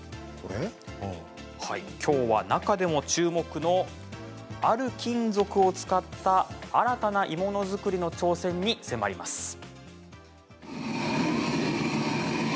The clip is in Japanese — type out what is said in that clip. きょうは中でも注目のある金属を使った新たな鋳物作りの挑戦に迫ります。